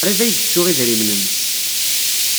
Qrib ay yettu idrimen-nnes.